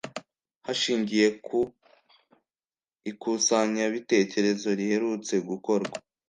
Hashingiwe ku ikusanyabitekerezo riherutse gukorwa